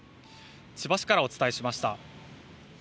千葉市からお伝えしました。